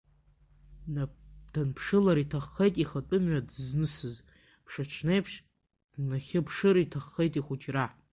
Данԥшылар иҭаххеит ихатәы мҩа дызнысыз, мшаҽнеиԥш днахьыԥшыр иҭаххеит ихәыҷра.